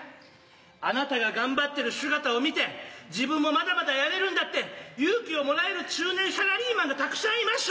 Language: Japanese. あなたが頑張ってる姿を見て「自分もまだまだやれるんだ」って勇気をもらえる中年サラリーマンがたくさんいましゅ。